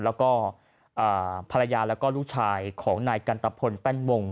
แล้วก็ภรรยาแล้วก็ลูกชายของนายกันตะพลแป้นวง